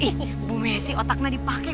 nih bu messi otaknya dipakai